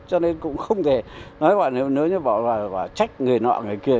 cho nên cũng không thể nói bảo trách người nọ người kia